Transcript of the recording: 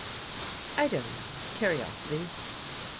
"" I don't know. Curiosity."